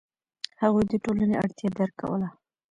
هغوی د ټولنې اړتیا درک کوله.